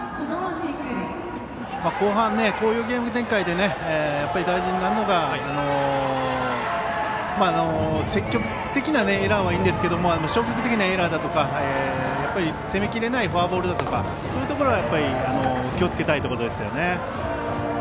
後半、こういうゲーム展開で大事になるのが積極的なエラーはいいんですけど消極的なエラーだとか攻めきれないフォアボールだとかそういうところは気をつけたいところですね。